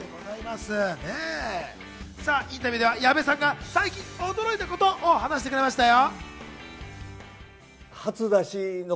インタビューでは矢部さんが最近驚いたことを話してくれましたよ。